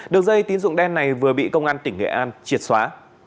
đường dây tín dụng đen này vừa bị công an tỉnh nghệ an triệt xóa